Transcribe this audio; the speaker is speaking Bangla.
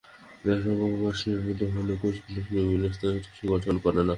দেহ অসংখ্য কোষ নির্মিত হলেও কোষগুলো সুবিন্যস্ত হয়ে টিস্যু গঠন করে না।